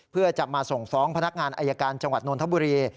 เพื่อจะมาส่งฟ้องพนักงานอายการจังหวัดนทบุรี